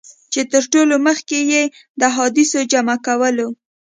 چي تر ټولو مخکي یې د احادیثو جمع کولو.